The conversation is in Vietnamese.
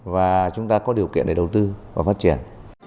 và chúng ta có điều kiện để đầu tư và phát triển